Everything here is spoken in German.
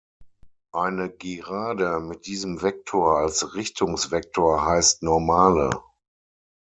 Eine Gerade mit diesem Vektor als Richtungsvektor heißt Normale.